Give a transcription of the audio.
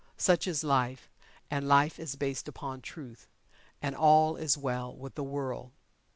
Such is Life and Life is based upon Truth and all is well with the world.